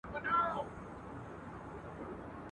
پهلوان د ترانو د لر او بر دی.